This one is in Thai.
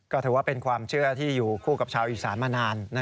ก็ถือว่าเป็นความเชื่อที่อยู่คู่กับชาวอีสานมานาน